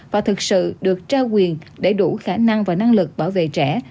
và thực sự được trao quyền đầy đủ khả năng và năng lực bảo vệ trẻ